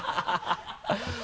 ハハハ